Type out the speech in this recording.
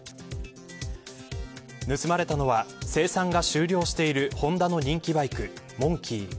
盗まれたのは生産が終了しているホンダの人気バイク、モンキー。